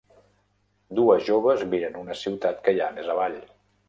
Dues joves miren una ciutat que hi ha més avall